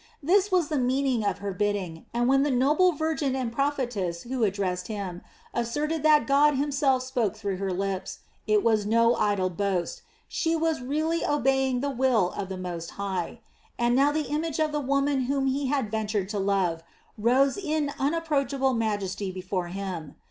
This was the meaning of her bidding, and when the noble virgin and prophetess who addressed him, asserted that God Himself spoke through her lips, it was no idle boast, she was really obeying the will of the Most High. And now the image of the woman whom he had ventured to love, rose in unapproachable majesty before him.